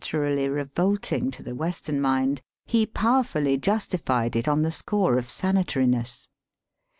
rally revolting to the Western mind, he power fully justified it on the score of sanitariness.